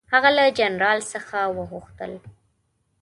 هغه له جنرال څخه وغوښتل.